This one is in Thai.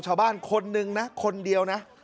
ชาวบ้านคนหนึ่งนะคนเดียวนะ